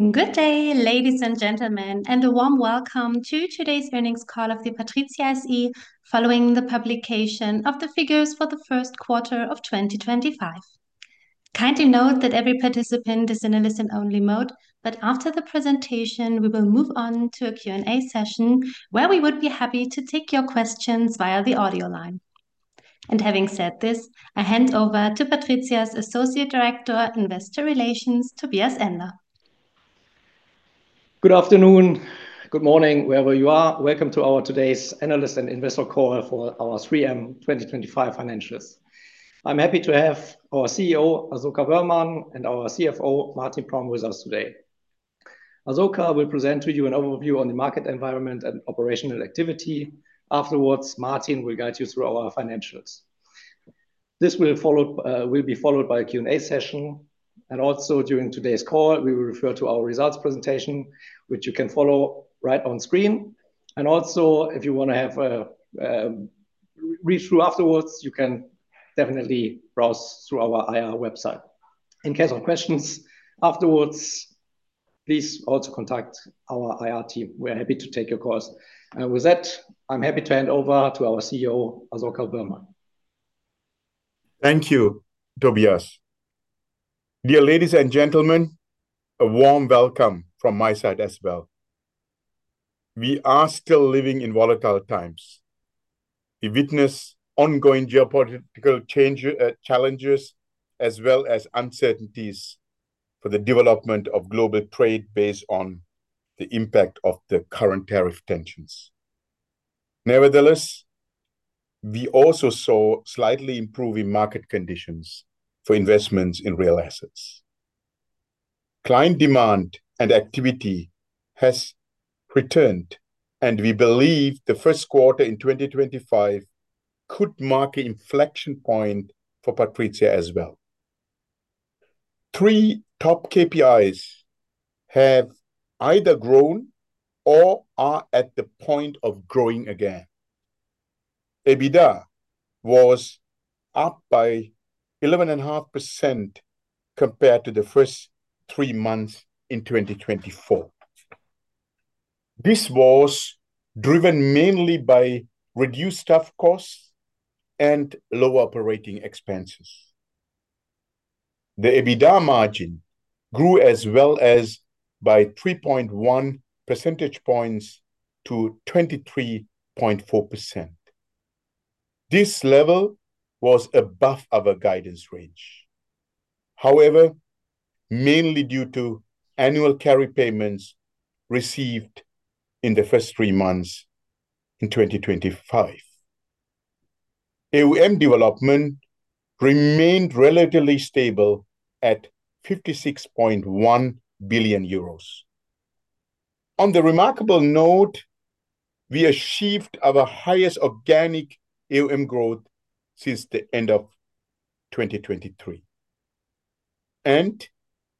Good day, ladies and gentlemen, and a warm welcome to today's earnings call of the PATRIZIA SE, following the publication of the figures for the first quarter of 2025. Kindly note that every participant is in a listen-only mode, but after the presentation, we will move on to a Q&A session where we would be happy to take your questions via the audio line. Having said this, I hand over to PATRIZIA's Associate Director, Investor Relations, Tobias Ender. Good afternoon, good morning, wherever you are. Welcome to our today's analyst and investor call for our 3M 2025 financials. I'm happy to have our CEO, Asoka Wöhrmann, and our CFO, Martin Praum, with us today. Asoka will present to you an overview on the market environment and operational activity. Afterwards, Martin will guide you through our financials. This will be followed by a Q&A session. Also during today's call, we will refer to our results presentation, which you can follow right on screen. Also, if you want to have a re-through afterwards, you can definitely browse through our IR website. In case of questions afterwards, please also contact our IR team. We are happy to take your calls. With that, I'm happy to hand over to our CEO, Asoka Wöhrmann. Thank you, Tobias. Dear ladies and gentlemen, a warm welcome from my side as well. We are still living in volatile times. We witness ongoing geopolitical change, challenges as well as uncertainties for the development of global trade based on the impact of the current tariff tensions. Nevertheless, we also saw slightly improving market conditions for investments in real assets. Client demand and activity has returned, and we believe the first quarter in 2025 could mark a inflection point for PATRIZIA as well. Three top KPIs have either grown or are at the point of growing again. EBITDA was up by 11.5% compared to the first 3 months in 2024. This was driven mainly by reduced staff costs and lower operating expenses. The EBITDA margin grew as well as by 3.1 percentage points to 23.4%. This level was above our guidance range, however, mainly due to annual carry payments received in the first three months in 2025. AUM development remained relatively stable at 56.1 billion euros. On the remarkable note, we achieved our highest organic AUM growth since the end of 2023.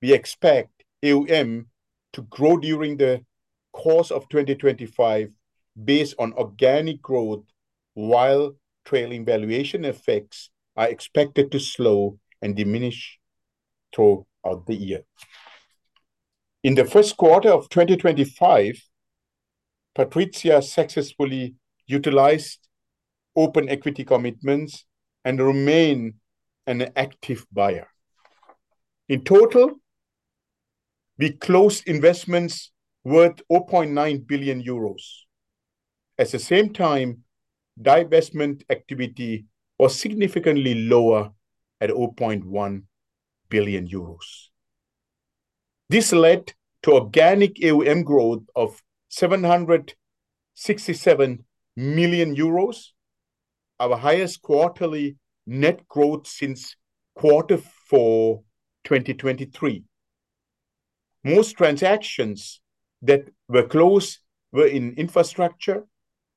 We expect AUM to grow during the course of 2025 based on organic growth, while trailing valuation effects are expected to slow and diminish throughout the year. In the first quarter of 2025, PATRIZIA successfully utilized open equity commitments and remain an active buyer. In total, we closed investments worth 0.9 billion euros. At the same time, divestment activity was significantly lower at 0.1 billion euros. This led to organic AUM growth of 767 million euros, our highest quarterly net growth since quarter four, 2023. Most transactions that were closed were in infrastructure,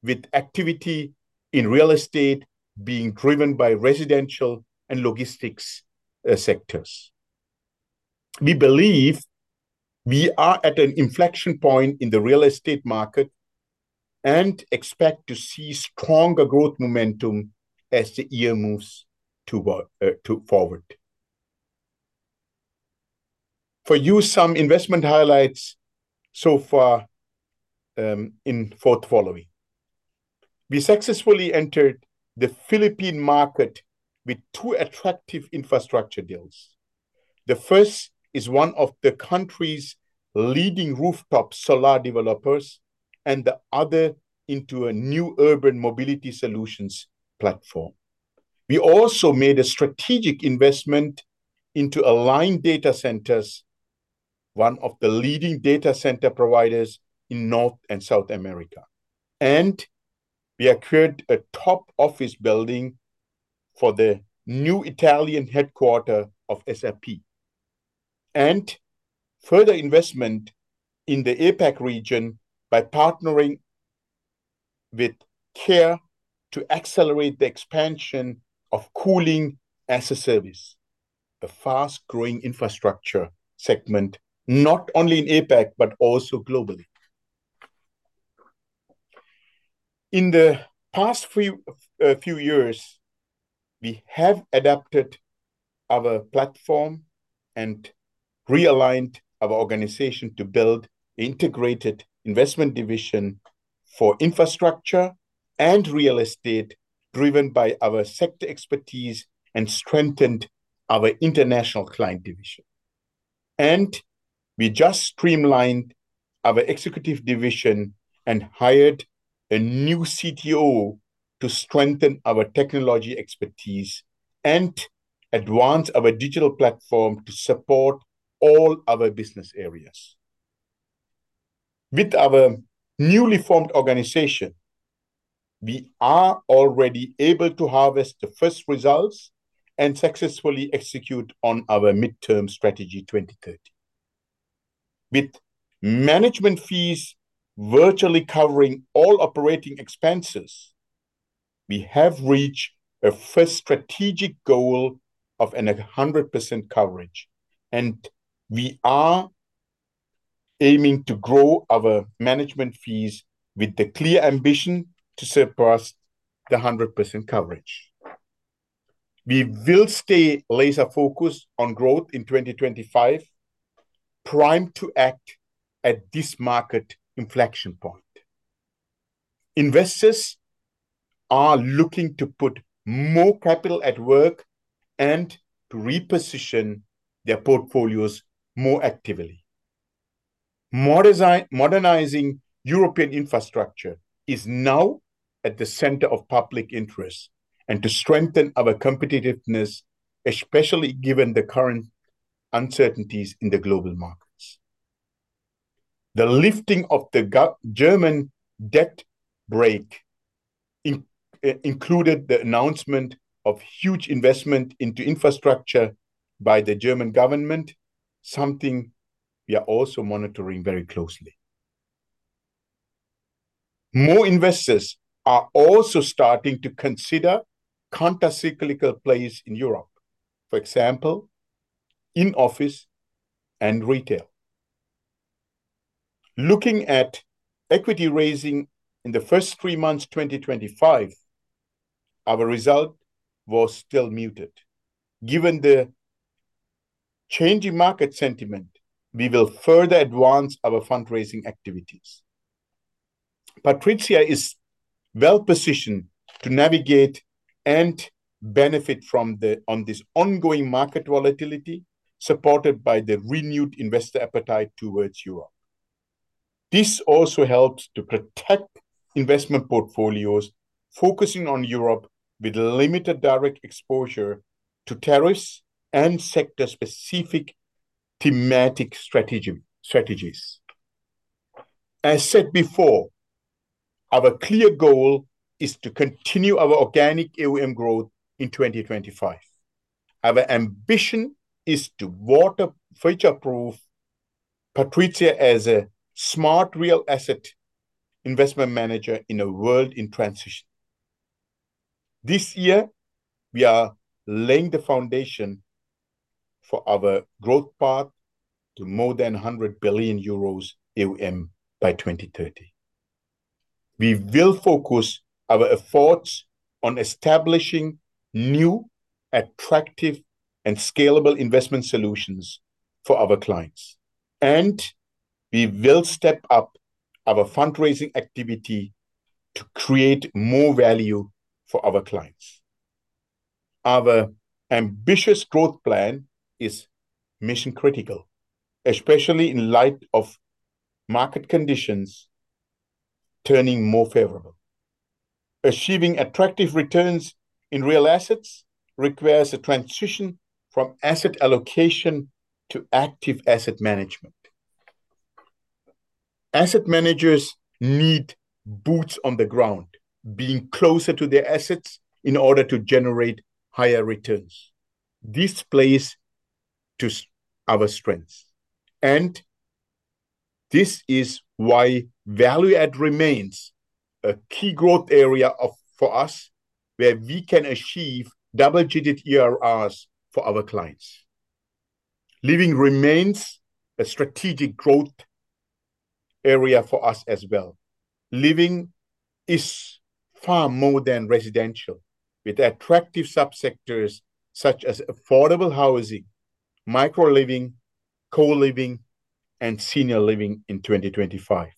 with activity in real estate being driven by residential and logistics sectors. We believe we are at an inflection point in the real estate market and expect to see stronger growth momentum as the year moves forward. For you, some investment highlights so far, in fourth following. We successfully entered the Philippine market with two attractive infrastructure deals. The first is one of the country's leading rooftop solar developers, and the other into a new urban mobility solutions platform. We also made a strategic investment into Aligned Data Centers, one of the leading data center providers in North and South America. We acquired a top office building for the new Italian headquarter of SAP. Further investment in the APAC region by partnering with Kaer to accelerate the expansion of Cooling-as-a-Service, a fast-growing infrastructure segment, not only in APAC, but also globally. In the past few years, we have adapted our platform and realigned our organization to build integrated investment division for infrastructure and real estate driven by our sector expertise and strengthened our international client division. We just streamlined our executive division and hired a new CTO to strengthen our technology expertise and advance our digital platform to support all our business areas. With our newly formed organization, we are already able to harvest the first results and successfully execute on our midterm strategy 2030. With management fees virtually covering all operating expenses, we have reached a first strategic goal of a 100% coverage, and we are aiming to grow our management fees with the clear ambition to surpass the 100% coverage. We will stay laser focused on growth in 2025, primed to act at this market inflection point. Investors are looking to put more capital at work and to reposition their portfolios more actively. Modernizing European infrastructure is now at the center of public interest and to strengthen our competitiveness, especially given the current uncertainties in the global markets. The lifting of the German debt brake included the announcement of huge investment into infrastructure by the German government, something we are also monitoring very closely. More investors are also starting to consider countercyclical plays in Europe, for example, in office and retail. Looking at equity raising in the first three months, 2025, our result was still muted. Given the changing market sentiment, we will further advance our fundraising activities. PATRIZIA is well-positioned to navigate and benefit from the ongoing market volatility, supported by the renewed investor appetite towards Europe. This also helps to protect investment portfolios, focusing on Europe with limited direct exposure to tariffs and sector-specific thematic strategies. As said before, our clear goal is to continue our organic AUM growth in 2025. Our ambition is to water future-proof PATRIZIA as a smart real asset investment manager in a world in transition. This year, we are laying the foundation for our growth path to more than 100 billion euros AUM by 2030. We will focus our efforts on establishing new, attractive and scalable investment solutions for our clients. We will step up our fundraising activity to create more value for our clients. Our ambitious growth plan is mission-critical, especially in light of market conditions turning more favorable. Achieving attractive returns in real assets requires a transition from asset allocation to active asset management. Asset managers need boots on the ground, being closer to their assets in order to generate higher returns. This plays to our strengths, and this is why value add remains a key growth area for us, where we can achieve double-digit IRRs for our clients. Living remains a strategic growth area for us as well. Living is far more than residential, with attractive subsectors such as affordable housing, micro living, co-living and senior living in 2025.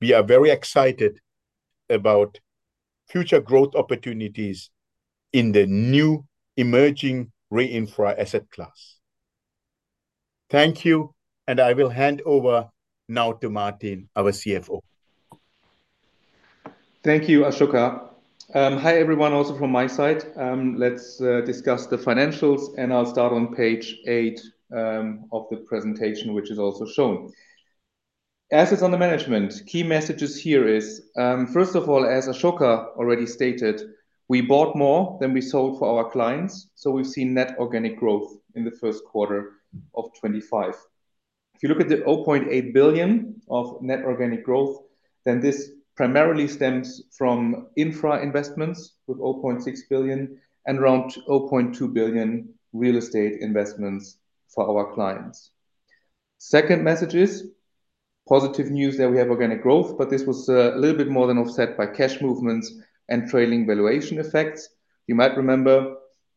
We are very excited about future growth opportunities in the new emerging Re-Infra asset class. Thank you, and I will hand over now to Martin, our CFO. Thank you, Asoka. Hi, everyone, also from my side. Let's discuss the financials, and I'll start on page eight of the presentation, which is also shown. Assets under management. Key messages here is, first of all, as Asoka already stated, we bought more than we sold for our clients, so we've seen net organic growth in the first quarter of 2025. If you look at the 0.8 billion of net organic growth, this primarily stems from infra investments with 0.6 billion and around 0.2 billion real estate investments for our clients. Second message is positive news that we have organic growth, but this was a little bit more than offset by cash movements and trailing valuation effects. You might remember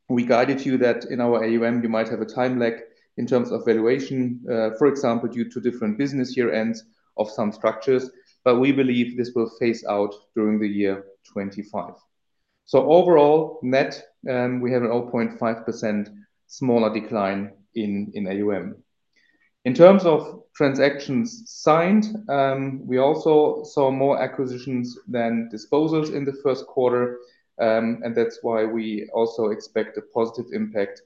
we guided you that in our AUM, we might have a time lag in terms of valuation, for example, due to different business year ends of some structures. We believe this will phase out during the year 2025. Overall, net, we have a 0.5% smaller decline in AUM. In terms of transactions signed, we also saw more acquisitions than disposals in the first quarter. That's why we also expect a positive impact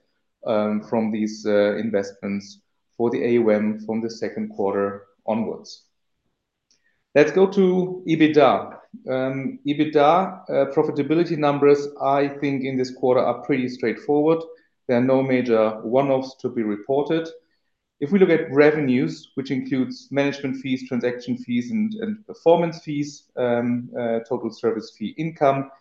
from these investments for the AUM from the second quarter onwards. Let's go to EBITDA. EBITDA profitability numbers, I think in this quarter are pretty straightforward. There are no major one-offs to be reported. If we look at revenues, which includes management fees, transaction fees and performance fees, total service fee income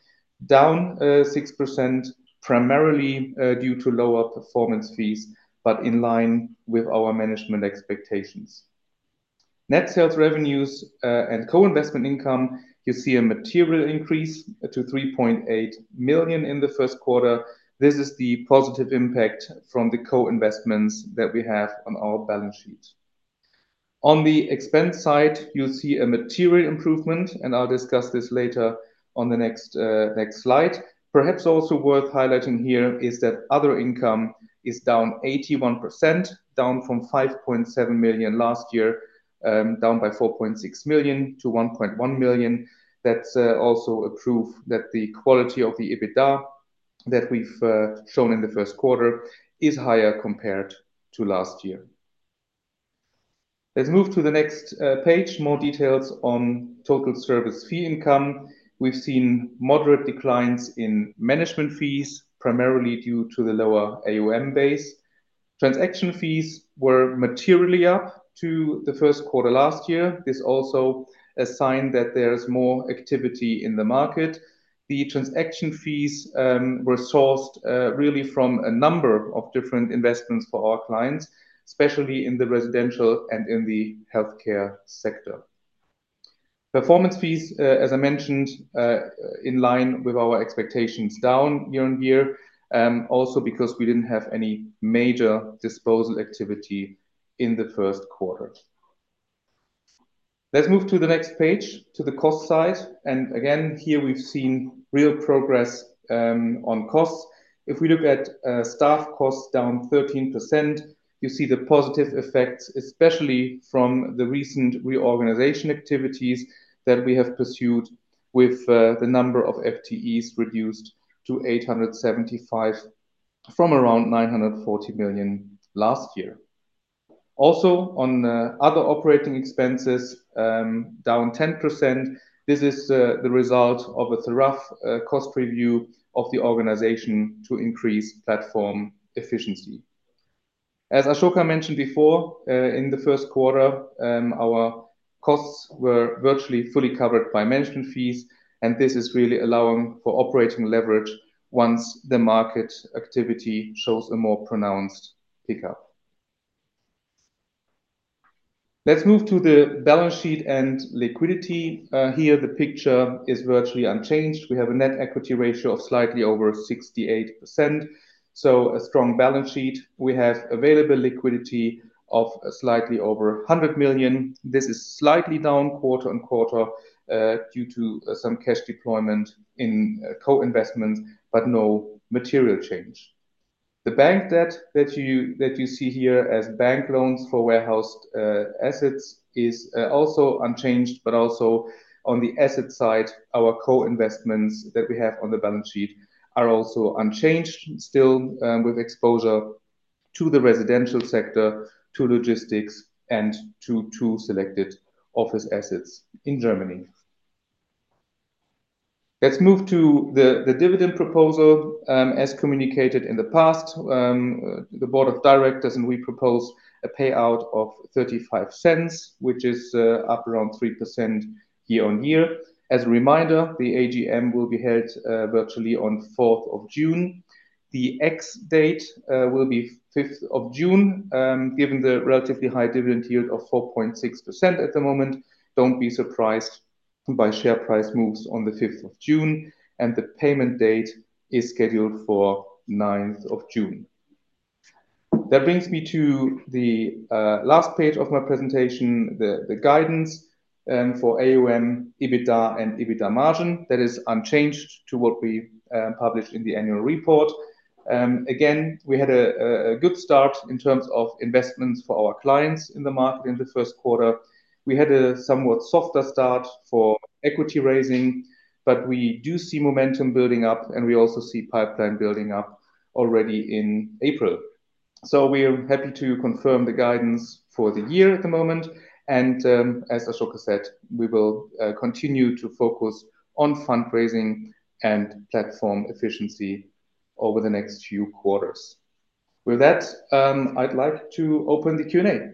down 6%, primarily due to lower performance fees but in line with our management expectations. Net sales revenues and co-investment income, you see a material increase to 3.8 million in the first quarter. This is the positive impact from the co-investments that we have on our balance sheet. On the expense side, you'll see a material improvement, and I'll discuss this later on the next slide. Perhaps also worth highlighting here is that other income is down 81%, down from 5.7 million last year, down by 4.6 million to 1.1 million. That's also a proof that the quality of the EBITDA that we've shown in the first quarter is higher compared to last year. Let's move to the next page. More details on total service fee income. We've seen moderate declines in management fees, primarily due to the lower AUM base. Transaction fees were materially up to the first quarter last year. This is also a sign that there is more activity in the market. The transaction fees were sourced really from a number of different investments for our clients, especially in the residential and in the healthcare sector. Performance fees, as I mentioned, in line with our expectations down year-on-year. Also because we didn't have any major disposal activity in the first quarter. Let's move to the next page, to the cost side. Again, here we've seen real progress on costs. If we look at staff costs down 13%, you see the positive effects, especially from the recent reorganization activities that we have pursued with the number of FTEs reduced to 875 from around 940 million last year. Also, on other operating expenses, down 10%. This is the result of a thorough cost review of the organization to increase platform efficiency. As Asoka mentioned before, in the first quarter, our costs were virtually fully covered by management fees, and this is really allowing for operating leverage once the market activity shows a more pronounced pickup. Let's move to the balance sheet and liquidity. Here the picture is virtually unchanged. We have a net equity ratio of slightly over 68%, so a strong balance sheet. We have available liquidity of slightly over 100 million. This is slightly down quarter-on-quarter due to some cash deployment in co-investments, but no material change. The bank debt that you see here as bank loans for warehoused assets is also unchanged. Also on the asset side, our co-investments that we have on the balance sheet are also unchanged, still with exposure to the residential sector, to logistics and to two selected office assets in Germany. Let's move to the dividend proposal. As communicated in the past, the Board of Directors, and we propose a payout of 0.35, which is up around 3% year-on-year. As a reminder, the AGM will be held virtually on 4th of June. The ex-date will be 5th of June. Given the relatively high dividend yield of 4.6% at the moment, don't be surprised by share price moves on the 5th of June. The payment date is scheduled for 9th of June. That brings me to the last page of my presentation, the guidance for AUM, EBITDA and EBITDA margin. That is unchanged to what we published in the annual report. Again, we had a good start in terms of investments for our clients in the market in the first quarter. We had a somewhat softer start for equity raising, but we do see momentum building up, and we also see pipeline building up already in April. We're happy to confirm the guidance for the year at the moment. As Asoka said, we will continue to focus on fundraising and platform efficiency over the next few quarters. With that, I'd like to open the Q&A.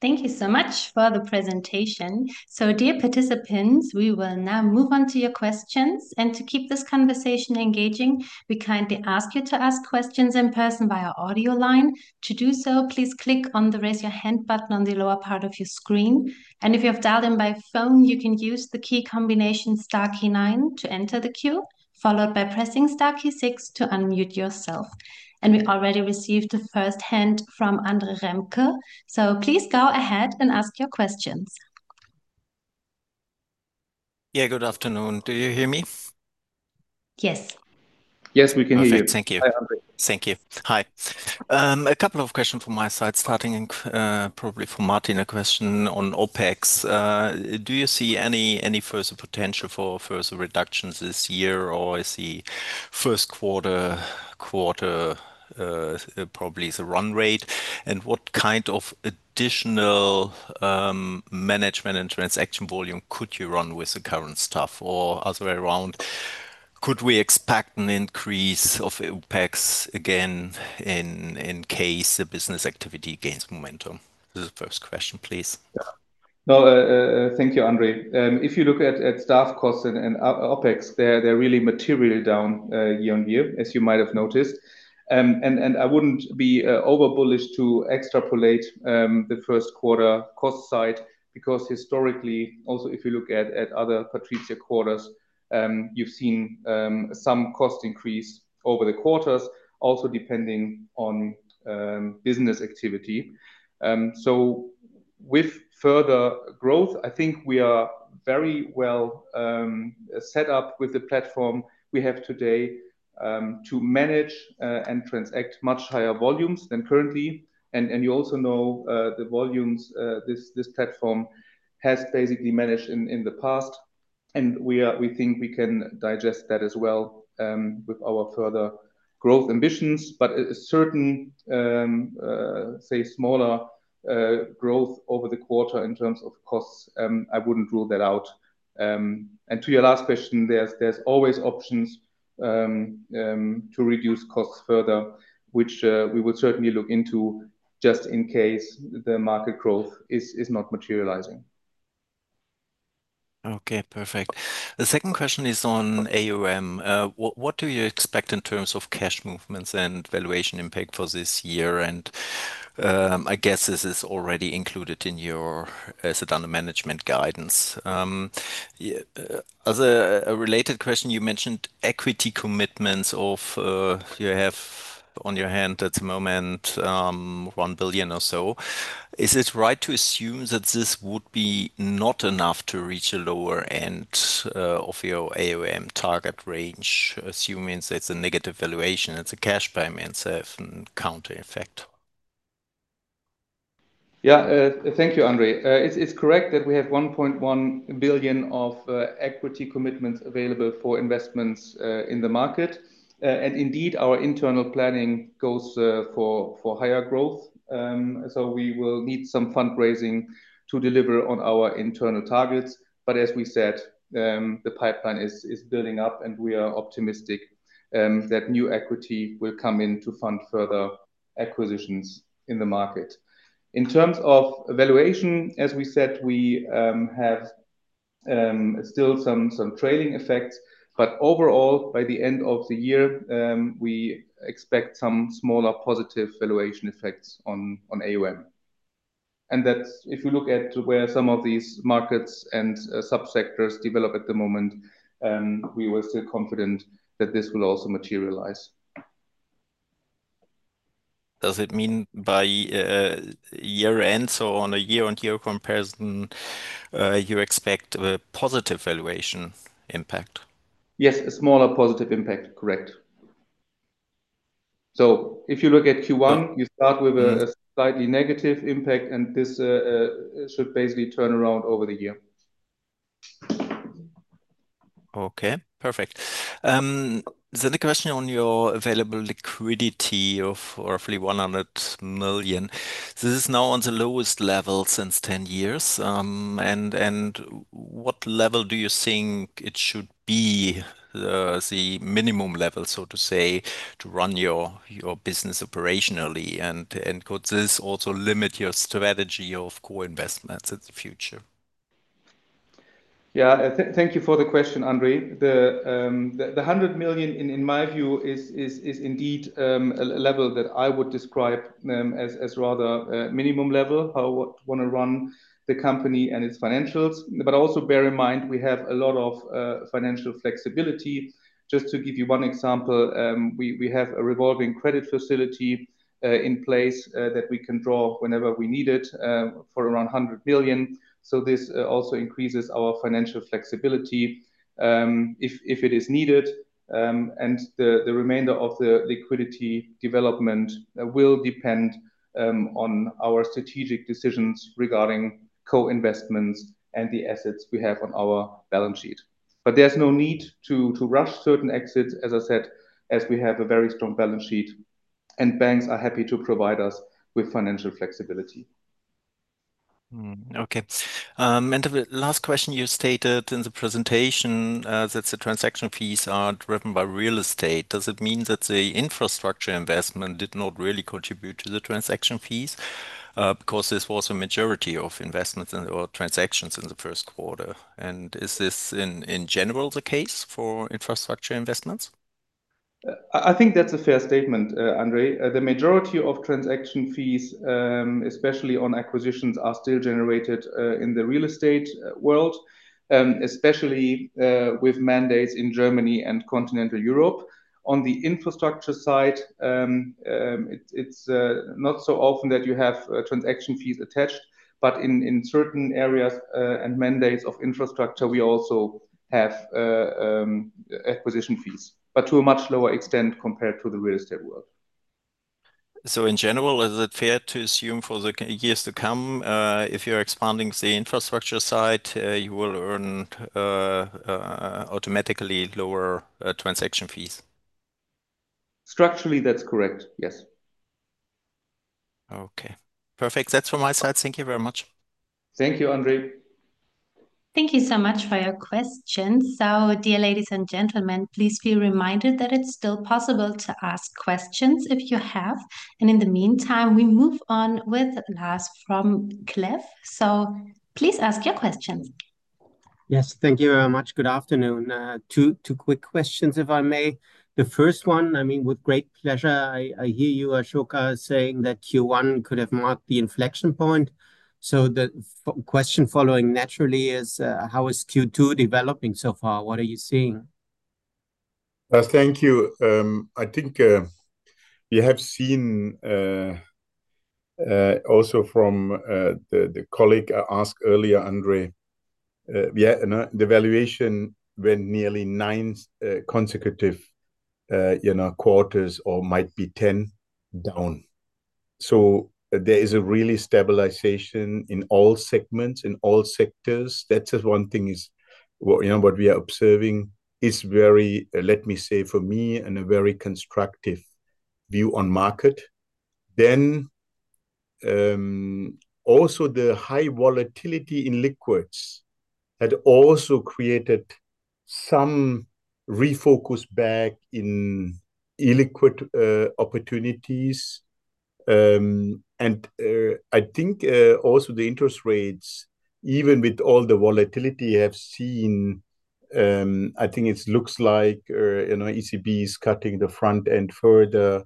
Thank you so much for the presentation. Dear participants, we will now move on to your questions. To keep this conversation engaging, we kindly ask you to ask questions in person via audio line. To do so, please click on the Raise Your Hand button on the lower part of your screen. If you have dialed in by phone, you can use the key combination star key nine to enter the queue, followed by pressing star key six to unmute yourself. We already received the first hand from André Remke. Please go ahead and ask your questions. Yeah. Good afternoon. Do you hear me? Yes. Yes, we can hear you. Perfect. Thank you. Hi, André. Thank you. Hi. A couple of questions from my side, starting probably for Martin, a question on OpEx. Do you see any further potential for further reductions this year, or is the 1st quarter probably is a run rate? What kind of additional management and transaction volume could you run with the current staff or other way around? Could we expect an increase of OpEx again in case the business activity gains momentum? This is the 1st question, please. No, thank you, André. If you look at staff costs and OpEx, they're really materially down year on year, as you might have noticed. I wouldn't be over bullish to extrapolate the first quarter cost side because historically, also if you look at other PATRIZIA quarters, you've seen some cost increase over the quarters also depending on business activity. With further growth, I think we are very well set up with the platform we have today to manage and transact much higher volumes than currently. You also know the volumes this platform has basically managed in the past. We think we can digest that as well with our further growth ambitions. A certain, say, smaller, growth over the quarter in terms of costs, I wouldn't rule that out. To your last question, there's always options to reduce costs further, which we would certainly look into just in case the market growth is not materializing. Okay. Perfect. The second question is on AUM. What do you expect in terms of cash movements and valuation impact for this year? I guess this is already included in your assets under management guidance. Yeah, as a related question, you mentioned equity commitments of you have on your hand at the moment, 1 billion or so. Is it right to assume that this would be not enough to reach a lower end of your AUM target range, assuming it's a negative valuation and the cash payments have counter effect? Thank you, André. It's correct that we have 1.1 billion of equity commitments available for investments in the market. Indeed, our internal planning goes for higher growth. We will need some fundraising to deliver on our internal targets. As we said, the pipeline is building up, and we are optimistic that new equity will come in to fund further acquisitions in the market. In terms of valuation, as we said, we have still some trailing effects. Overall, by the end of the year, we expect some smaller positive valuation effects on AUM. That's if you look at where some of these markets and sub-sectors develop at the moment, we were still confident that this will also materialize. Does it mean by, year end, so on a year on year comparison, you expect a positive valuation impact? Yes. A smaller positive impact. Correct. If you look at Q1, you start with a slightly negative impact, and this should basically turn around over the year. Okay. Perfect. The question on your available liquidity of roughly 100 million. This is now on the lowest level since 10 years. What level do you think it should be, the minimum level, so to say, to run your business operationally? Could this also limit your strategy of core investments in the future? Thank you for the question, André. The 100 million in my view is indeed a level that I would describe as rather a minimum level, how I want to run the company and its financials. Also bear in mind, we have a lot of financial flexibility. Just to give you one example, we have a revolving credit facility in place that we can draw whenever we need it for around 100 billion. This also increases our financial flexibility if it is needed. The remainder of the liquidity development will depend on our strategic decisions regarding co-investments and the assets we have on our balance sheet. There's no need to rush certain exits, as I said, as we have a very strong balance sheet, and banks are happy to provide us with financial flexibility. Okay. The last question you stated in the presentation that the transaction fees are driven by real estate. Does it mean that the infrastructure investment did not really contribute to the transaction fees? Because this was a majority of investments in or transactions in the first quarter. Is this in general the case for infrastructure investments? I think that's a fair statement, André. The majority of transaction fees, especially on acquisitions, are still generated in the real estate world, especially with mandates in Germany and continental Europe. On the infrastructure side, it's not so often that you have transaction fees attached. In certain areas, and mandates of infrastructure, we also have acquisition fees, but to a much lower extent compared to the real estate world. In general, is it fair to assume for the years to come, if you're expanding the infrastructure side, you will earn automatically lower transaction fees? Structurally, that's correct. Yes. Okay. Perfect. That's from my side. Thank you very much. Thank you, André. Thank you so much for your questions. Dear ladies and gentlemen, please be reminded that it's still possible to ask questions if you have. In the meantime, we move on with Lars Vom-Cleff. Please ask your questions. Yes. Thank you very much. Good afternoon. two quick questions, if I may. The first one, I mean, with great pleasure, I hear you, Asoka, saying that Q1 could have marked the inflection point. The question following naturally is, how is Q2 developing so far? What are you seeing? Lars, thank you. I think we have seen also from the colleague asked earlier, André, yeah, no, the valuation when nearly nine consecutive, you know, quarters or might be 10 down. There is a real stabilization in all segments, in all sectors. That is one thing is, what, you know, what we are observing is very, let me say for me, in a very constructive view on market. Also the high volatility in liquids had also created some refocus back in illiquid opportunities. I think also the interest rates, even with all the volatility you have seen, I think it looks like, you know, ECB is cutting the front end further,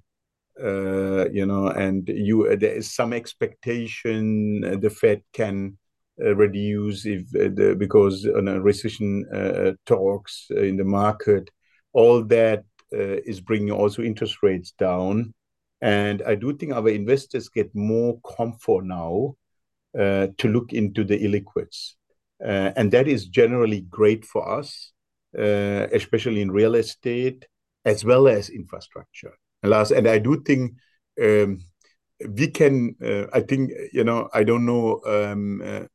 you know. There is some expectation the Fed can reduce if, because, you know, recession talks in the market. All that is bringing also interest rates down. I do think our investors get more comfort now to look into the illiquids. That is generally great for us, especially in real estate as well as infrastructure. Lars, I do think we can, I think, you know, I don't know,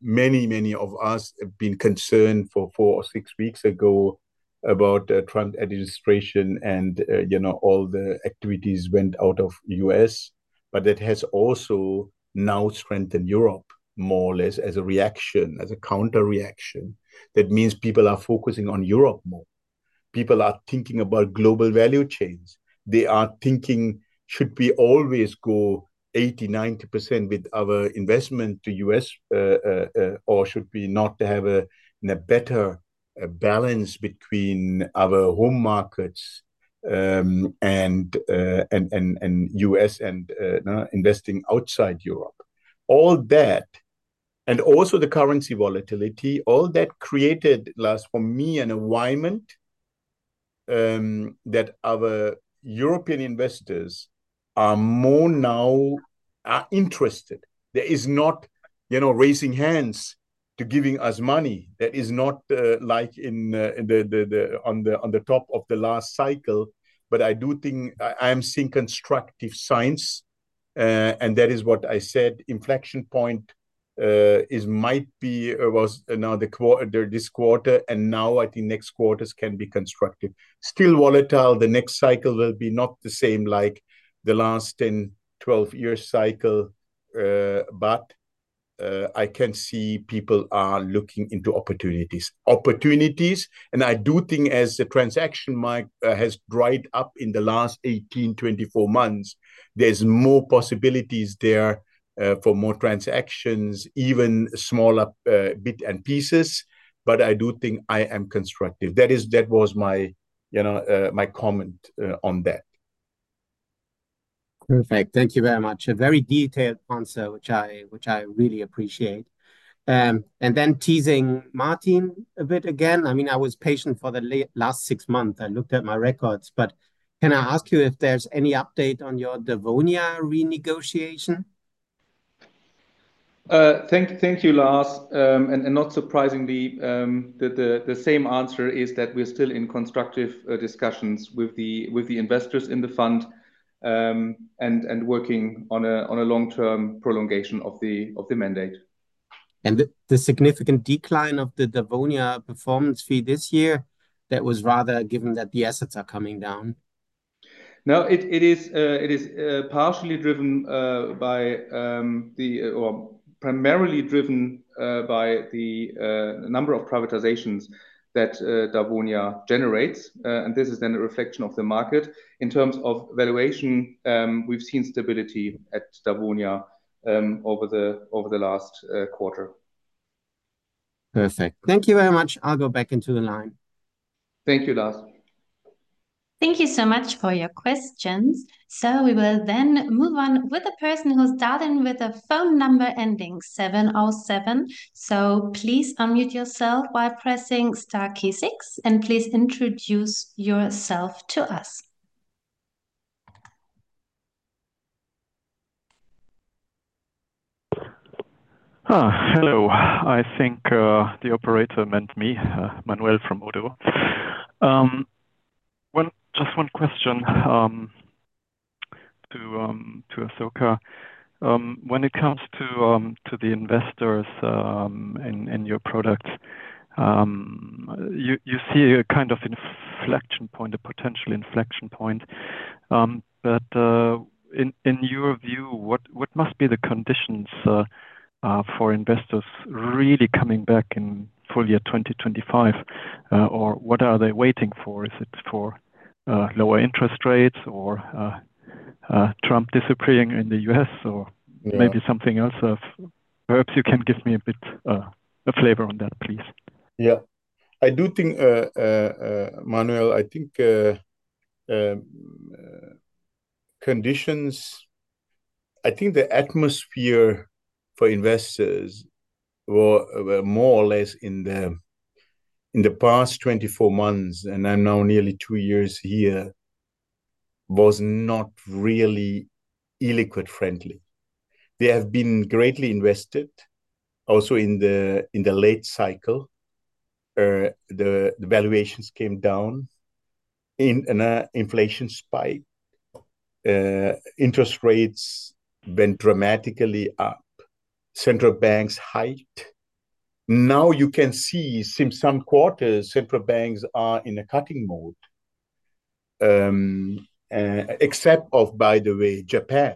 many of us have been concerned for 4 or 6 weeks ago about the Trump administration and, you know, all the activities went out of U.S. That has also now strengthened Europe more or less as a reaction, as a counter-reaction. That means people are focusing on Europe more. People are thinking about global value chains. They are thinking, should we always go 80%, 90% with our investment to U.S., or should we not have a better balance between our home markets, and U.S. and investing outside Europe? All that, and also the currency volatility, all that created, Lars, for me an alignment, that our European investors are more now, are interested. There is not, you know, raising hands to giving us money. That is not like in the on the top of the last cycle. I do think I'm seeing constructive signs. That is what I said inflection point, is might be or was, you know, there this quarter, and now I think next quarters can be constructive. Still volatile. The next cycle will be not the same like the last 10, 12 years cycle. I can see people are looking into opportunities. Opportunities, and I do think as the transaction market has dried up in the last 18, 24 months, there's more possibilities there for more transactions, even smaller bit and pieces, but I do think I am constructive. That was my, you know, my comment on that. Perfect. Thank you very much. A very detailed answer, which I really appreciate. Then teasing Martin a bit again. I mean, I was patient for the last six months. I looked at my records. Can I ask you if there's any update on your Dawonia renegotiation? Thank you, Lars. Not surprisingly, the same answer is that we're still in constructive discussions with the investors in the fund, and working on a long-term prolongation of the mandate. The significant decline of the Dawonia performance fee this year, that was rather given that the assets are coming down. No, it is, it is partially driven by or primarily driven by the number of privatizations that Dawonia generates. This is then a reflection of the market. In terms of valuation, we've seen stability at Dawonia over the last quarter. Perfect. Thank you very much. I'll go back into the line. Thank you, Lars. Thank you so much for your questions. We will then move on with the person who's dialed in with a phone number ending 707. Please unmute yourself while pressing star key six, and please introduce yourself to us. Hello. I think the operator meant me, Manuel from ODDO. Just one question to Asoka. When it comes to the investors in your product, you see a kind of inflection point, a potential inflection point. In your view, what must be the conditions for investors really coming back in full year 2025? What are they waiting for? Is it for lower interest rates or Trump disappearing in the U.S.? Or may be something else. Perhaps you can give me a bit a flavor on that, please. Yeah. I do think, Manuel, I think the atmosphere for investors were more or less in the past 24 months, and I'm now nearly 2 years here, was not really illiquid friendly. They have been greatly invested also in the late cycle. The valuations came down in an inflation spike. Interest rates went dramatically up. Central banks hiked. Now, you can see since some quarters, central banks are in a cutting mode. Except of, by the way, Japan.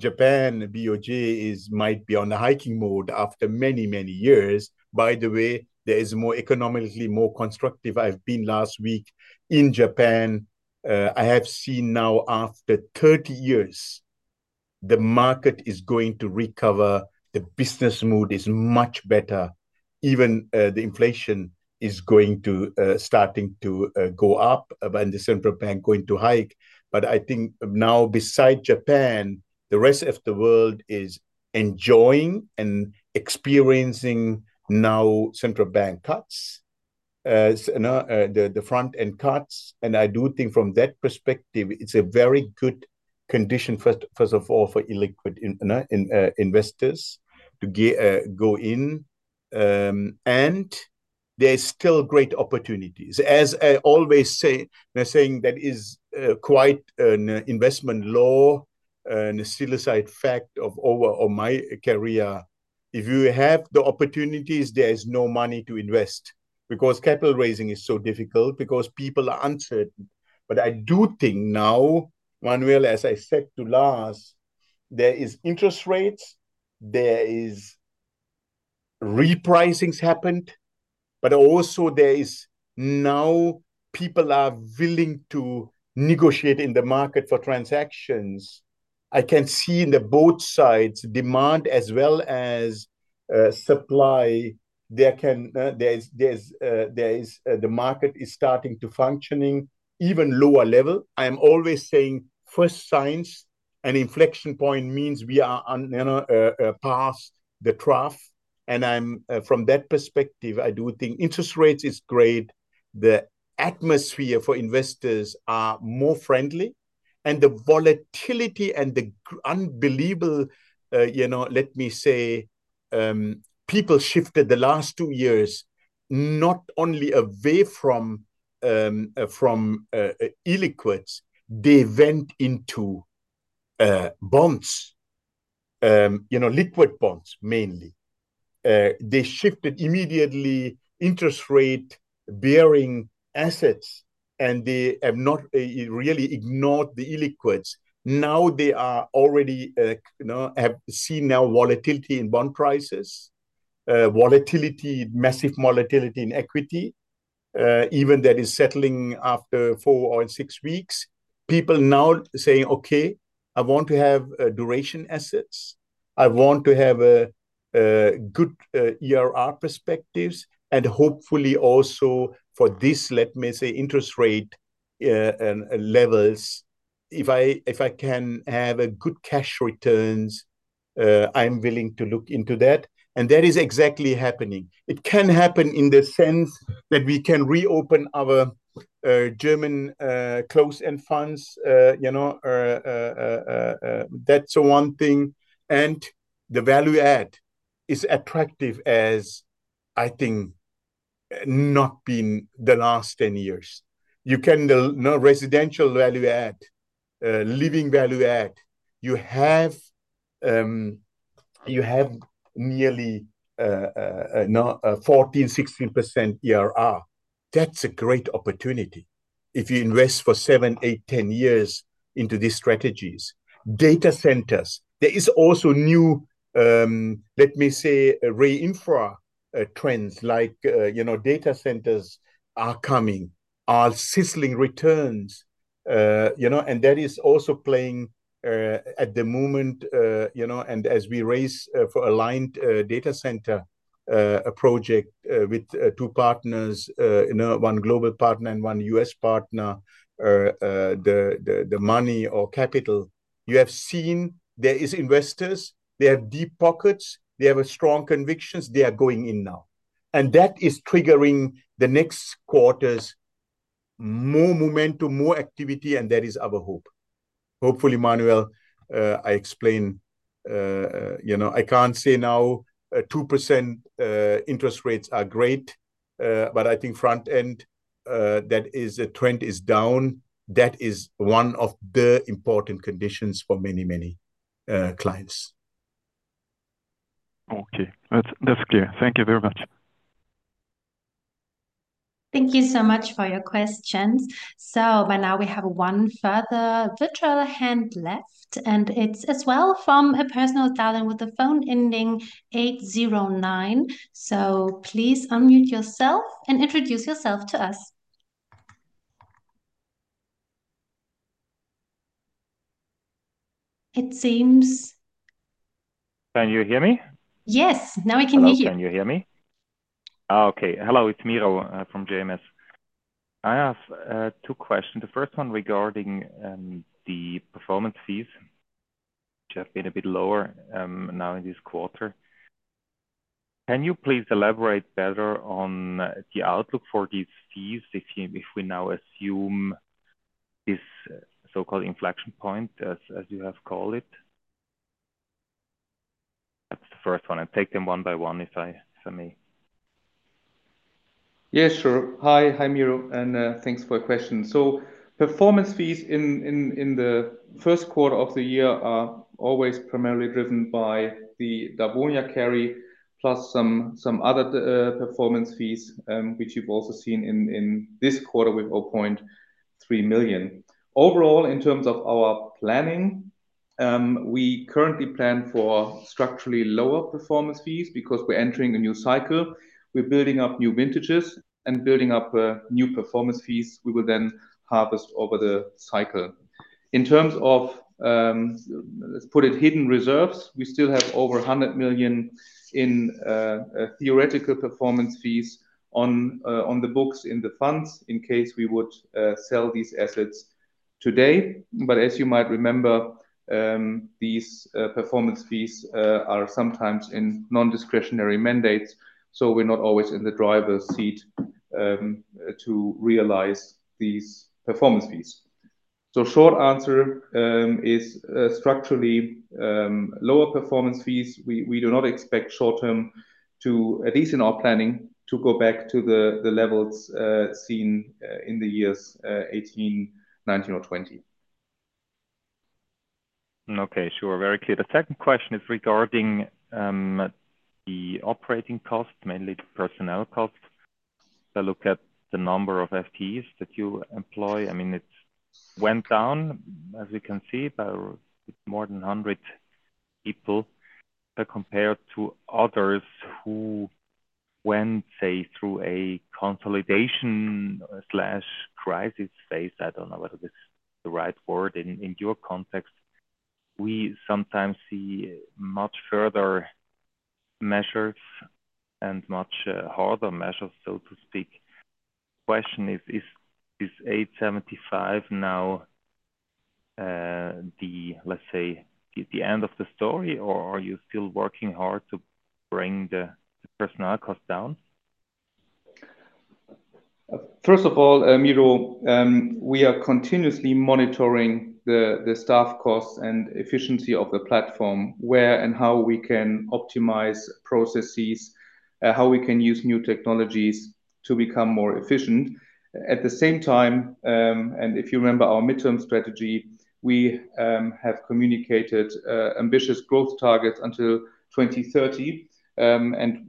Japan BOJ is, might be on a hiking mode after many years. By the way, there is more economically more constructive. I've been last week in Japan. I have seen now after 30 years, the market is going to recover, the business mood is much better. Even the inflation is starting to go up and the Central Bank is going to hike. I think now beside Japan, the rest of the world is enjoying and experiencing now Central Bank cuts. You know, the front-end cuts. I do think from that perspective, it's a very good condition first of all for illiquid, you know, investors to go in. There is still great opportunities. As I always say, by saying that is quite an investment law and a suicide fact of my career, if you have the opportunities, there is no money to invest because capital raising is so difficult because people are uncertain. I do think now, Manuel, as I said to Lars, there is interest rates, there is repricings happened, but also there is now people are willing to negotiate in the market for transactions. I can see in the both sides demand as well as supply. The market is starting to functioning even lower level. I'm always saying first signs, an inflection point means we are on, you know, past the trough. I'm from that perspective, I do think interest rates is great. The atmosphere for investors are more friendly. The volatility and the unbelievable, you know, let me say, people shifted the last two years, not only away from illiquids, they went into bonds, you know, liquid bonds mainly. They shifted immediately interest rate-bearing assets. They have not really ignored the illiquids. Now they are already, you know, have seen now volatility in bond prices, massive volatility in equity. Even that is settling after 4 or 6 weeks. People now saying, "Okay, I want to have duration assets. I want to have a good IRR perspectives. Hopefully also for this, let me say interest rate levels, if I can have a good cash returns, I'm willing to look into that." That is exactly happening. It can happen in the sense that we can reopen our German closed-end funds, you know. That's one thing. The value add is attractive as I think not been the last 10 years. You can, residential value add, living value add. You have nearly 14%, 16% IRR. That's a great opportunity if you invest for seven, eight, 10 years into these strategies. Data centers. There is also new, let me say, Re-Infra trends like data centers are coming, are sizzling returns. That is also playing at the moment, as we raise for Aligned Data Center project with two partners, one global partner and one U.S. partner. The money or capital you have seen there is investors, they have deep pockets, they have a strong convictions, they are going in now, that is triggering the next quarter's more momentum, more activity, and that is our hope. Hopefully, Manuel, I explain, you know, I can't say now, 2% interest rates are great. I think front end, that is a trend is down. That is one of the important conditions for many, many clients. Okay. That's clear. Thank you very much. Thank you so much for your questions. By now we have one further virtual hand left, and it's as well from a personal dial-in with a phone ending 809. Please unmute yourself and introduce yourself to us. Can you hear me? Yes. Now we can hear you. Hello. Can you hear me? Hello. It's Miro from JMS. I have two questions. The first one regarding the performance fees, which have been a bit lower now in this quarter. Can you please elaborate better on the outlook for these fees if you, if we now assume this so-called inflection point as you have called it? That's the first one. Take them one by one if I may. Yeah, sure. Hi. Hi, Miro, thanks for your question. Performance fees in the first quarter of the year are always primarily driven by the Dawonia carry plus some other performance fees, which you've also seen in this quarter with 0.3 million. Overall, in terms of our planning, we currently plan for structurally lower performance fees because we're entering a new cycle. We're building up new vintages and building up new performance fees we will then harvest over the cycle. In terms of, let's put it, hidden reserves, we still have over 100 million in theoretical performance fees on the books in the funds in case we would sell these assets today. As you might remember, these performance fees are sometimes in non-discretionary mandates, so we're not always in the driver's seat to realize these performance fees. Short answer is structurally lower performance fees, we do not expect short-term to, at least in our planning, to go back to the levels seen in the years 2018, 2019, or 2020. Okay. Sure. Very clear. The second question is regarding the operating costs, mainly the personnel costs. I look at the number of FTEs that you employ. I mean, it's went down, as you can see, by more than 100 people. Compared to others who went, say, through a consolidation/crisis phase, I don't know whether this is the right word in your context, we sometimes see much further measures and much harder measures, so to speak. Question is, 875 now the, let's say, the end of the story or are you still working hard to bring the personnel costs down? First of all, Miro, we are continuously monitoring the staff costs and efficiency of the platform, where and how we can optimize processes, how we can use new technologies to become more efficient. At the same time, if you remember our midterm strategy, we have communicated ambitious growth targets until 2030.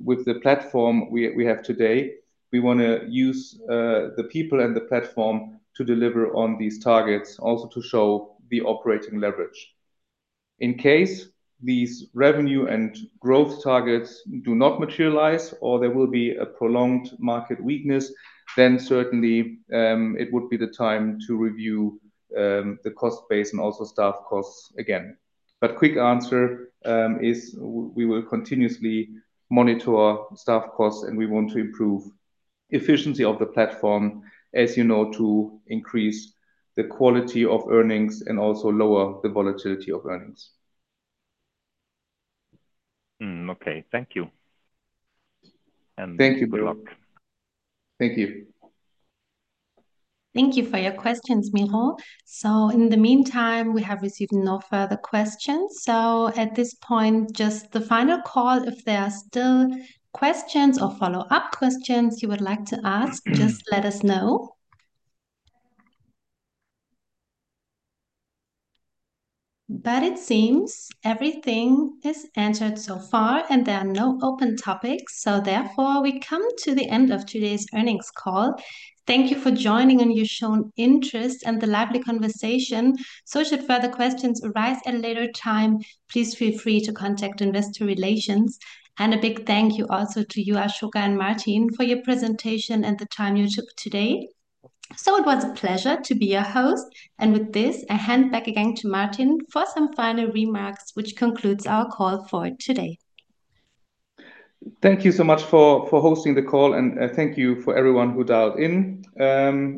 With the platform we have today, we wanna use the people and the platform to deliver on these targets also to show the operating leverage. In case these revenue and growth targets do not materialize or there will be a prolonged market weakness, certainly, it would be the time to review the cost base and also staff costs again. Quick answer, we will continuously monitor staff costs and we want to improve efficiency of the platform, as you know, to increase the quality of earnings and also lower the volatility of earnings. Okay. Thank you. Thank you. Good luck. Thank you. Thank you for your questions, Miro. In the meantime, we have received no further questions. At this point, just the final call, if there are still questions or follow-up questions you would like to ask, just let us know. It seems everything is answered so far, and there are no open topics, therefore we come to the end of today's earnings call. Thank you for joining and your shown interest and the lively conversation. Should further questions arise at a later time, please feel free to contact investor relations. A big thank you also to you, Asoka Wöhrmann and Martin Praum, for your presentation and the time you took today. It was a pleasure to be your host and with this, I hand back again to Martin Praum for some final remarks, which concludes our call for today. Thank you so much for hosting the call and thank you for everyone who dialed in.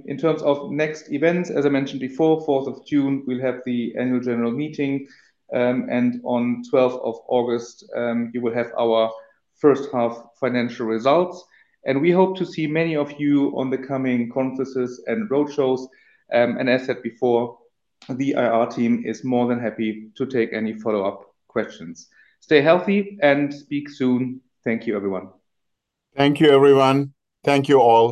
In terms of next events, as I mentioned before, fourth of June we'll have the Annual General Meeting. On 12th of August, you will have our first half financial results. We hope to see many of you on the coming conferences and roadshows. As said before, the IR team is more than happy to take any follow-up questions. Stay healthy and speak soon. Thank you everyone. Thank you everyone. Thank you all.